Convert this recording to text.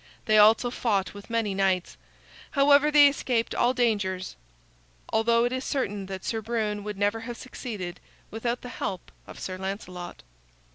They also fought with many knights. However, they escaped all dangers, although it is certain that Sir Brune would never have succeeded without the help of Sir Lancelot.